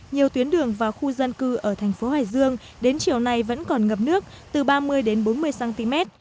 nhiều tuyến đường và khu dân cư ở thành phố hải dương đến chiều nay vẫn còn ngập nước từ ba mươi đến bốn mươi cm